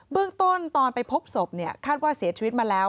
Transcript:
เรื่องต้นตอนไปพบศพคาดว่าเสียชีวิตมาแล้ว